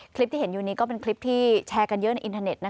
คลิปที่เห็นอยู่นี้ก็เป็นคลิปที่แชร์กันเยอะในอินเทอร์เน็ต